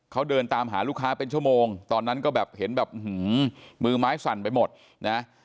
เขาเดินตามหาลูกค้าเป็นชั่วโมงตอนนั้นก็แบบเห็นแบบมือไม้สั่นไปหมดนะ